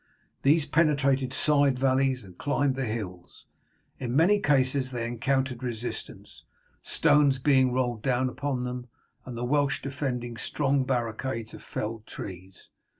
These penetrated side valleys and climbed the hills. In many cases they encountered resistance, stones being rolled down upon them, and the Welsh defending strong barricades of felled trees.